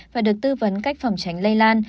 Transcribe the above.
và được tư vấn cách phòng tránh lây lan